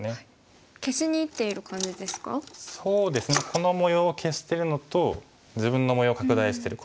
この模様を消してるのと自分の模様を拡大してる。